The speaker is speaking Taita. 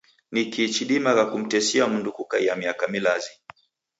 Ni kii chidimagha kumtesia mndu kukaia miaka milazi?